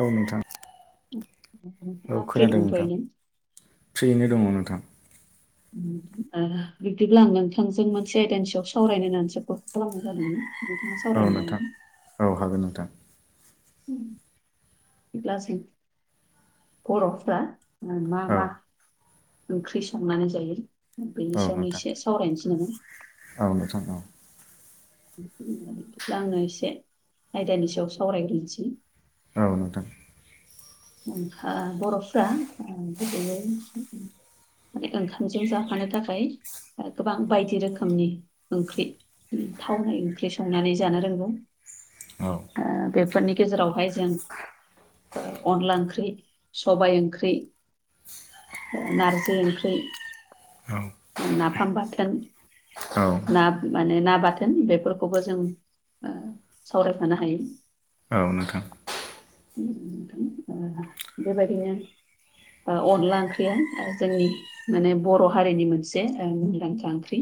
औ नोंथां औ दा फ्रि खोनादों नोंथां दंथ'योना? फ्रियैनो दङ नोंथां बिदिब्ला आं नोंथांजों मोनसे आयदानि सायावसो सावरायनो होननानैसो कल खालामनाय जादोंमोन नोंथाङा औ सावरायनो हागोन नोंथां औ हागोन नोंथां [unintelligible] अब्लासिम बर'फ्रा मा औ मा ओंख्रि संनानै जायो औ बेनि सायावनो नोंथां एसे सावरायनोसै नामा औ नोंथां औ बिदिब्ला आङो एसे आयदानि सायाव सावरायग्रोनोसै औ नोंथां बर'फ्रा गुबैयै माने ओंखामजों जाफानो थाखाय गोबां बायदि रोखोमनि ओंख्रि थावनाय ओंख्रि संनानै जानो रोंगौ औ बेफोरनि गेजेरावहाय जों ओ अनला ओंख्रि सबाय ओंख्रि नारजि ओंख्रि औ नाफाम बाथोन औ ना माने ना बाथोन बेफोरखौबो जों सावरायफानो हायो औ नोंथां ओ बेबायदिनो अनला ओंख्रिया जोंनि माने बर' हारिनि मोनसे मुंदांखा ओंख्रि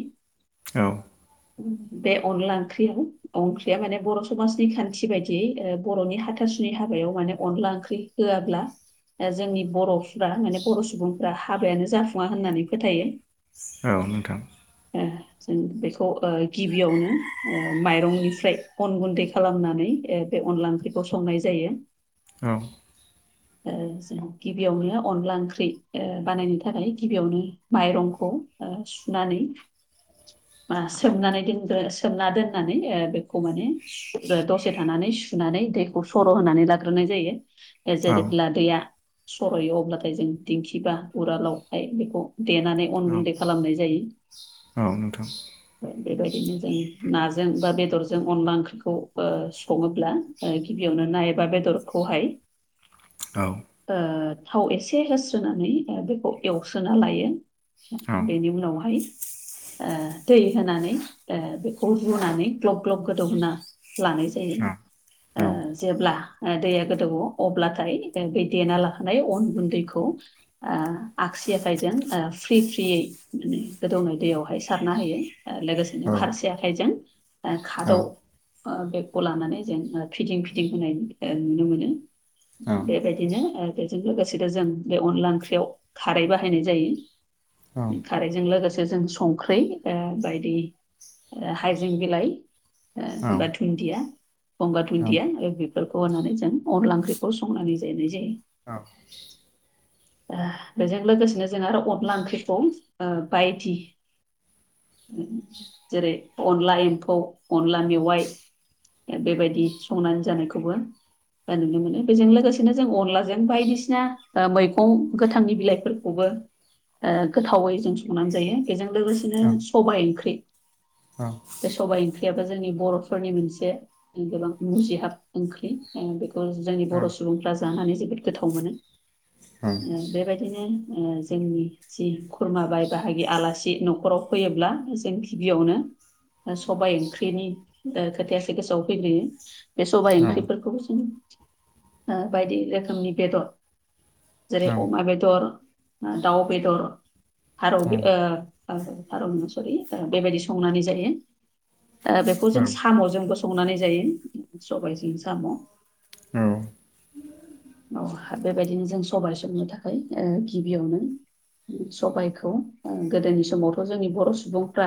औ बे अनला ओंख्रि अंख्रिया माने बर' समाजनि खान्थि बायदियै बर'नि हाथासुनि हाबायाव माने अनला ओंख्रि होआब्ला जोंनि बर'फ्रा माने बर' सुबुंफ्रा हाबायानो जाफुङा होननानै फोथायो औ नोंथां ओ जों बेखौ गिबियावनो माइरंनिफ्राय अन गुन्दै खालामनानै बे अनला ओंख्रिखौ संनाय जायो औ जों गिबियावनो अनला ओंख्रि बानायनो थाखाय गिबियावनो माइरंखौ ओ सुनानै [inaudible] ओ बा माने सोमनानै दोनग्रो सोमना दोननानै बेखौ माने दसे थानानै सुनानै दैखौ सर' होनानै लाग्रोनाय जायो। ओ ब्ला औ दैया सरयो अब्लाथाय जों दिंखि बा उरालावहाय बेखौ देनानै अन औ औ गुन्दै खालामनाय जायो। औ नोंथां बेबादिनो जों नाजों बा बेदरजों अनला ओंख्रिखौ सङोब्ला। ओ गिबियावनो नाय एबा बेदरखौहाय थाव एसे होस्रोनानै बेखौ एवस्रोना लायो। बेनि उनावहाय दै होनानै बेखौ रुनानै ग्लब ग्लब गोदौ होनानै ओ लानाय जायो जेब्ला दैया गोदौवो अब्लाथाय बे देना लाखानाय अन गुन्दैखौबो आगसि आखाइजों फ्रि फ्रियै माने गोदौनाय दैयावहाय सारना होयो लोगोसेनो फारसे आखाइजोंनो ओ खादौ बेगखौ लानानै जों फिदिं फिदिं होनाय नुनो मोनो। बेबादिनो बेजों लोगोसेनो जों बे अनला ओंख्रियाव खारै बाहायनाय जायो। खारैजों लोगोसे जों संख्रि बादि ओ हाइजें बिलाइ बा दुुनन्दिया गंगार दुन्दिया बेफोरखौ होनानै जों अनला ओंख्रि खौ संनानै जाहोनाय जायो। औ। [inaudible] बेजों लोगोसेनो जों आरो अनला ओंख्रिखौ बादि जेरै अनला एम्फौ अनला मेवाइ ओ बेबादि संनानै जानायखौबो दा नुनो मोनो। बेजों लोगोसेनो जों अनलाजों बायदिसिना मैगं गोथांनि बिलाइफोरखौबो ओ गोथावै जों संनानै जायो बेजों लोगोसेनो सबाय ओंख्रि बे सबाइ ओंख्रियाबो जोंनि बर'फोरनि मोनसेसो ओ गोबां मुजिहाब ओंख्रि बेखौ जोंनि बर' सुबुंफ्रा जानानै जोबोद गोथाव मोनो बेबादिनो जोंनि जि खुरमा बाय बाहागि आलासि न'खराव फैयोब्ला जों गिबियावनो सबाय ओंख्रिनि खोथायासो गोसोआव फैगोयो बे सबाय ओंख्रिफोरखौबो जों बायदि रोखोमनि बेदर जेरै अमा बेदरा ओ दाउ बेदर फारौ ओ सरि बेबादि संनानै जायो। बेखौ जों साम'जोंबो संनानै जायो सबायजों साम' औ बेबादिनो जों सबाय संनो थाखाय गिबियावनो सबायखौ गोदोनि समावथ' जोंनि बर' सुबुंफ्रा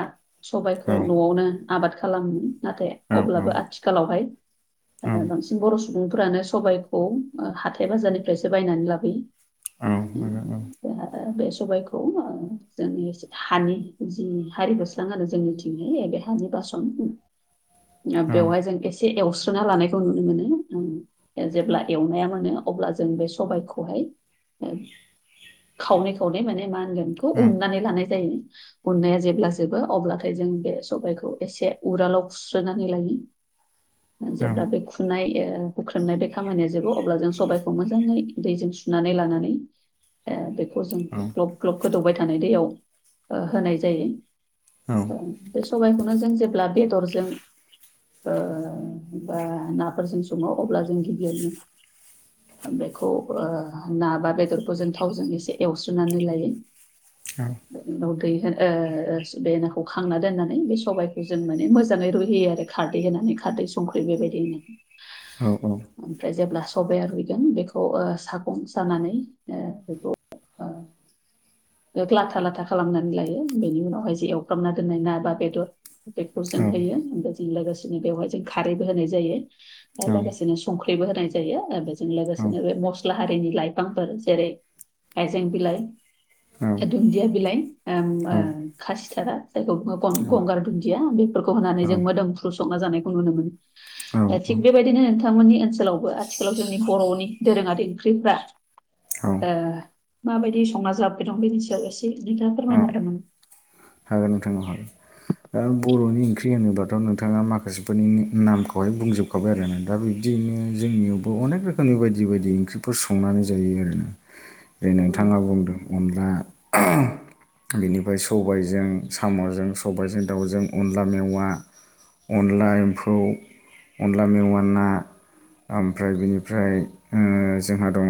सबायखौ न'आवनो आबाद खालामो नाथाय। औ अब्लाबो आथिखालावहाय औ बांसिन ओ बर' सुबुंफोरानो सबाइखौ हाथाय बाजारनिफ्रायसो बायनानै लाबोयो ओ औ नंगौ नोंथां। बे सबायखौ जोंनि हानि जि हारिया आरो जोंनिथिं बेहानि बासोन बेवहाय जों एसे एवस्रोना लानायखौ नुनो मोनो। जेब्ला एवनाया मोनो अब्ला जों बे सबायखौहाय खावनै खावनै माने मा होनगोन बेखौ उन्नानै लानाय जायो। अननाया जेब्ला जोबो अब्लाथाय जों बे सबायखौ एसे उरालाव सुस्रोनानै लायो जेब्ला बे खुनाय ओ हुख्रेमनाय बे खामानिया जोबो अब्ला जों सबायखौ मोजाङै दैजों सुनानै लानानै बेखौ जों ग्लब ग्लब गोदौबाय थानाय दैयाव होनाय जायो। बे सबाइखौनो जों जेब्ला बेदरजों ओ बा नाफोरजों सङो अब्ला जों गिबियावनो बेखौ ओ ना बा बेदरखौ जों थावजों एसे एवस्रोननानै लायो। औ उनाव दै होनो बे नाखौ खांना दोननानै बे सबायखौ जों माने मोजाङै रुहैयो आरो। खारदै होनानै खारदै संख्रि बेबायदि हो औ औ ओमफ्राय जेब्ला सबाया रुइगोन बेखौ सागं सानानै बेखौ ओ औ लाथा लाथा खालामनानै लायो बेनि उनावहाय जे एवफ्र्रामना दोननाय ना बा बेदर बेखौ जों होयो ओमफ्राय जों लोगोसेनो बेवहाय जों खारैबो होनाय जायो आरो लोगोसे बिदिनो संख्रिबो होनाय जायो बेजों लोगोसेनो बे मसला सिख्लाहारिनि लाइफांफोर जेरै हायजें बिलाइ दुन्दिया बिलाइ ओं बा खासिथारा जायखौ गंगार दुन्दिया बेफोरखौ होनानै जों मोदोमफ्रु संना जानायखौ नुनो मोनो। दा थिग बेबायदिनो बिथांमोननि ओनसोलावबो आथिखालाव जोंनि बर'नि दोरोङारि ओंख्रिफ्रा माबायदि संना जाबोबाय दं बेनि सायाव एसे नोंथाङा औ फोरमायनादोंमोन। हागोन नोंथां औ हागोन। दा बर'नि ओंख्रि होनोबाथ' नोंथाङा माखासेफोरनि नामखौहाय बुंजोब सखाय आरोना दा बिब्दियनो जोंनियावबो अनेक रोखोमनि बायदि बायदि ओंख्रिफोर संनानै जायो आरोना। जै नामा नोंथाङा बुंदों अनला बिनिफ्राय सबाय जों साम'जों सबायाइजों दाउजों अनला मेवा। अनला एम्फौ अनला मेवा ना ओमफ्राय बिनिफ्राय जोंहा दङ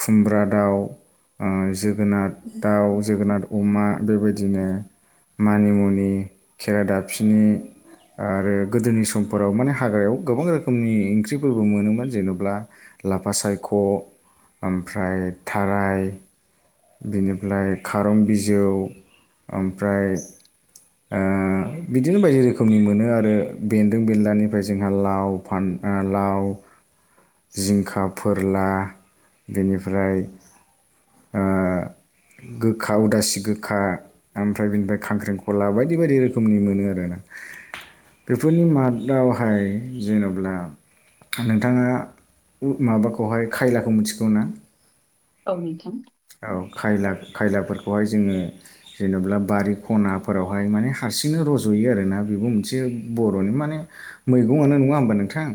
खुमब्रा दाउ। जोगोनार औ दाउ जोगोनार अमा बेबायदि बिदिनो मानि मुनि खेरा दाफिनि ओ आरो गोदोनि समफोराव माने हाग्रायाव गोबां रोखोमनि ओंख्रिफोरबो मोनोमोन जेनेब्ला लाफा सायख' ओमफ्राय थाराय बिनिफ्राय खारं बिजौ ओमफ्राय ओ बिदिनो बायदि रोखोमनि मोनो आरो बेन्दों बेन्लानिफ्राय जोंहा लाव फानथा लाव जिंखा फोरला बेनिफ्राय गोखा उदासि गोखा ओमफ्राय बिनिफ्राय खांख्रेखला बायदि बायदि रोखोमनि मोनो आरो ना। बेफोरनि मादावहाय जेनेब्ला नोंथाङा माबाखौहाय खायलाखौ मिथिगौ ना? औ नोंथां। औ खायला खायलाफोरखौहाय जोङो जेनब्ला बारि खनाफोरावहाय माने हारसिंनो रज'यो आरोना बेबो मोनसे बर'नि माने मैगंङानो नङा होमबा नोंथां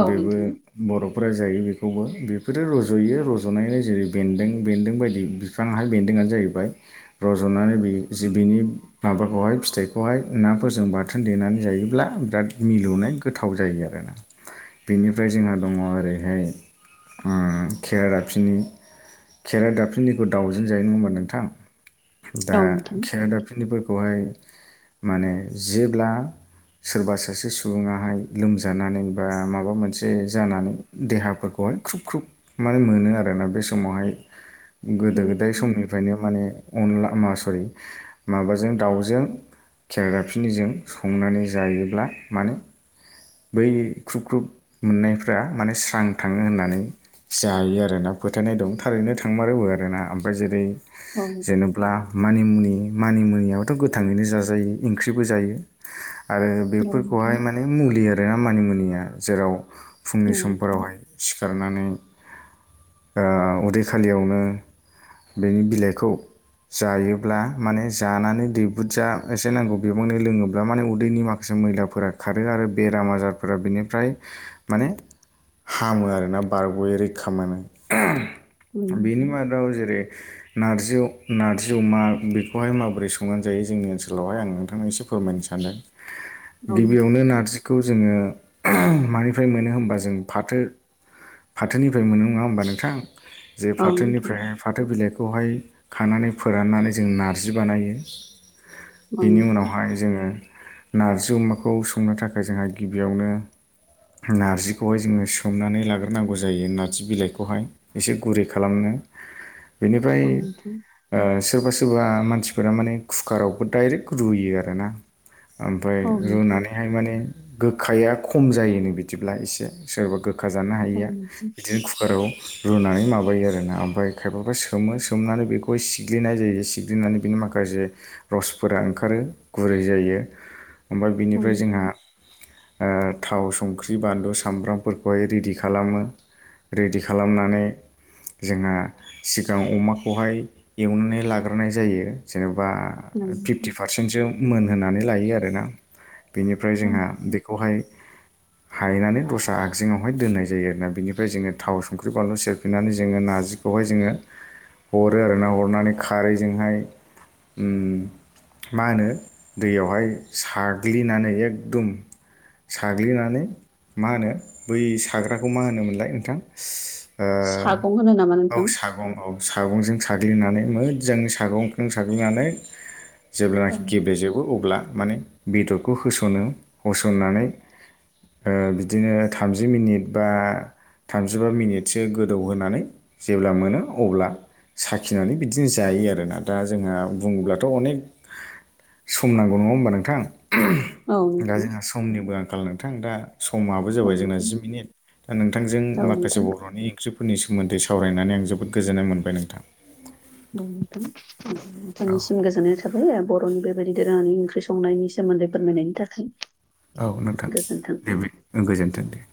औ बेबो नोंथां बर'फोरा जायो बेखौबो बेफोरो रज'यो रज'नानै जेरै बेन्दों बेन्दों बायदि बिफांआहाय बेन्दोंआनो जाहैबाय रज'नानै बिनि माबाखौहाय फिथाइखौहाय नाफोरजों बाथोन देनानै जायोब्ला बिराद मिलौनाय गोथाव जायो आरो ना। बेनिफ्राय जोंहा दङ ओरैहाय खेरादाफिनि खेराइ दाफनिखौ दावउजेन जायो नङामा नोंथां? दा औ नोंथां खेरादाफिनिफोरखौहाय माने जेब्ला सोरबा सासे सुबुङाहाय लोमजानानै बा माबा मोनसे जानानै देहाफोरखौहाय ख्रुब ख्रुब माने मोनो आरोना बे समावहाय औ गोदो गोदाय नोंथां समनिफ्रायनो माने अनला मा सरि माबाजों दाउजों खेरादाफिनिजों संनानै जायोब्ला माने बै ख्रुब ख्रुब मोननायफ्रा माने स्रां थाङो होननानै जायो आर ना फोथायनाय दं थारैनो थांमार रोबो आरोना ओमफ्राय जेरै औ होनोब्ला मानिमुनि मानिमुनियाथ' गोथाङैनो जाजायो ओंख्रिबो जायो आरो औ नोंथां बेफोरखौहाय माने मुलि आरोना मानि मुनिया जेराव फुंनि औ नोंथां समफोरावहाय सिखारनानै उदै खालियावनो बेनि बिलाइखौ जायोब्ला माने जानानै दै बुुरज एसे नांगौ बिबांनै लोङोब्ला माने उदैनि मा गासे मैलाफोरा खारो आरो बेराम आजारफोरा बिनिफ्राय माने हामो आरोना बारग'यै रैखा मोनो। औ बेनि नोंथां मादाव जेरै नारजि अ नार्जि अमा बेखौहाय माबोरै संनानै जायो जोंनि ओनसोलावहाय आं नोंथांनि एसे फोरमायनो सानदों। औ गिबियावनो नोंथां नारजिखौ जोङो मानिफ्राय मोनो होनबा जों फाथो फाथोनिफ्राय मोनो नङा होमबा नोंथां? जे औ नोंथां फाथोनिफ्राय फाथो बिलाइखौहाय खानानै फोराननानै जों नारजि बानायो। औ बिनि नोंथां उनावहाय जोङो नारजि अमाखौ संनो थाखाय जोंहा गिबियावनो नार्जिखौहाय जोङो सोमनानै लाग्रोनांगौ जायो नारजि बिलाइखौहाय। एसे गुरै खालामनो बेनिफाय औ नोंथां सोरबा सोरबा मानसिफोरा माने कुकारावबो दडाइरेक्ट रुयो आरो ना ओमफ्राय औ नोंथां औ नोंथां रुनानै हाय माने गोखाया खम जायोनो बिदिब्ला एसे सोरबा गो खा जानो औ हायो नोंथां बिदिनो कुकाराव रुनानै माबायो आरो ना ओमफाय खायफाबा सोमो सोमनानै बेख गय सिग्लिनाय जायो सिग्लिनानै बेनि माखासे रसफोरा ओंखारो गुरै जायो ओमफाय औ बिनिफ्राय जोंहा नोंथां ओ थाव संख्रि बानलु सामब्रामफोरखौहाय रिडि खालामो। रेडि खालामनानै जोंहा सिगां अमाखौहाय एवनानै लाग्रोनाय जायो जेनेबा फिफ्टि औ पार [unintelligible] मोनहानै लायो आरोना बिनिफ्राय जोंहा नोंथां बेखौहाय हायनानै दस्रा आगजङावहाय दोननाय जायो आरोना बेनिफ्राय जोङो थाव संख्रि बानलु सेरफिननानै जोङो नारजि खौहाय जोङो हरो आरोना अरनानै खारैजोंहाय उम मा होनो दैयावहाय साग्लिनानै एखदम साग्लिनानै मा होनो बै साग्राखौ मा होनोमोनलाय नोंथां? सागं होनो नामा नोंथां। औ सागं औ सागंजों साग्लिनानै मोजां सागंजों साग्लिनानै औ जेब्लानाखि गेब्लेजोबो अब्ला माने बेदरखौ होस'नो होसननानै ओ बिदिनो थामजि मिनिट बा थामजिबा मिनिटसो गोदौहोनानै जेब्ला मोनो अब्ला साखिनानै बिदिनो जायो आरोना दा जोंहा बुंङोब्लाथ' अनेक सम नांगौ नङा होमबा नोंथां? औ दा नोंथां जोंहा समनिबो आंखाल नोंथां दा समाबो औ नोंथां औ जाबाय जोंना नोंथां जि मिनिट दा नोंथांजों औ माखासे बर'नि सक्रिफोरनि सोमोन्दै सावरायनानै आं जोबोद गोजोननाय मोनबाय नोंथां। औ नोंथां औ नोंथांनिसिम गोजोननाय था थाबाय ओ बर'नि बेबायदि दोरोङानि ओंख्रि संनायनि सोमोन्दै फोरमायनायनि थाखाय। औ नोंथां गोजोन्थों दे गोजोनथों दे।